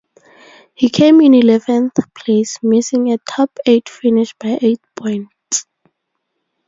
He came in eleventh place, missing a top eight finish by eight points.